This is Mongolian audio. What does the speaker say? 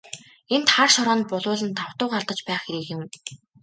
Энд хар шороонд булуулан тав тух алдаж байх хэрэг юун.